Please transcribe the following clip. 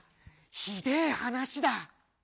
ひでえ話だ」。